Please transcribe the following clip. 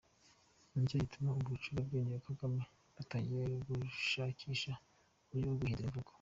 Nicyo gituma ubu abacurabwenge ba Kagame batangiye gushakisha uburyo bwo guhindura imvugo.